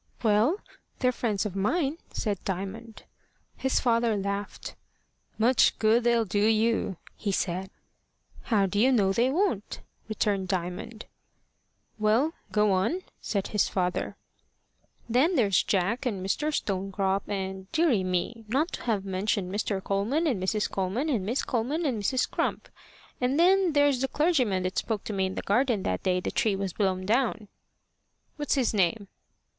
"Well, they're friends of mine," said Diamond. His father laughed. "Much good they'll do you!" he said. "How do you know they won't?" returned Diamond. "Well, go on," said his father. "Then there's Jack and Mr. Stonecrop, and, deary me! not to have mentioned Mr. Coleman and Mrs. Coleman, and Miss Coleman, and Mrs. Crump. And then there's the clergyman that spoke to me in the garden that day the tree was blown down." "What's his name!"